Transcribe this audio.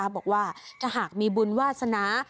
บอกว่าถ้าหากมีบุญวาสนา